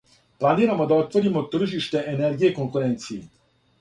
Планирамо да отворимо тржиште енергије конкуренцији.